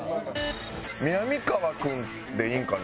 「みなみかわ君」でいいんかな？